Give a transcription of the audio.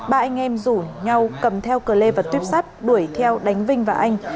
ba anh em rủ nhau cầm theo cờ lê và tuyếp sắt đuổi theo đánh vinh và anh